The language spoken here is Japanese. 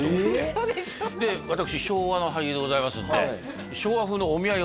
私昭和の俳優でございますんでええ！？